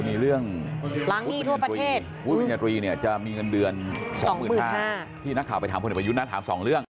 มันจะมีเรื่อง